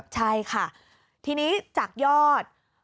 ใช่ค่ะทีนี้จากยอด